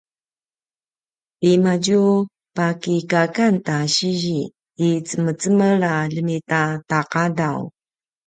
timadju pakikakan ta sizi i cemecemel a ljemita ta qadaw